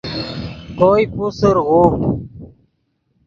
کوئے پوسر غوڤڈ